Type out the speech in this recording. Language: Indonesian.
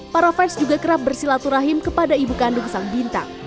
para fans juga kerap bersilaturahim kepada ibu kandung sang bintang